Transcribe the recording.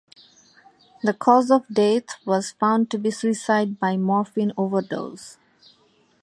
The cause of death was found to be suicide by morphine overdose.